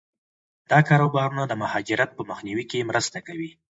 دا کاروبارونه د مهاجرت په مخنیوي کې مرسته کوي.